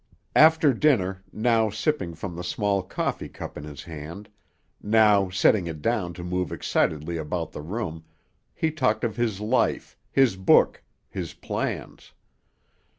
After dinner, now sipping from the small coffee cup in his hand, now setting it down to move excitedly about the room, he talked of his life, his book, his plans.